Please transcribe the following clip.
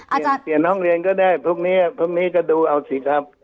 อาจารย์เปลี่ยนห้องเรียนก็ได้พรุ่งนี้ก็ดูเอาสิครับ